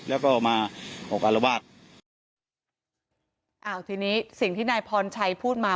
แล้วก็มาออกอารวาสอ่าทีนี้สิ่งที่นายพรชัยพูดมา